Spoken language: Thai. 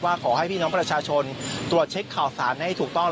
ขอให้พี่น้องประชาชนตรวจเช็คข่าวสารให้ถูกต้อง